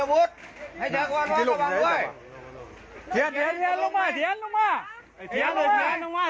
อูชุกรรมเฉพาะ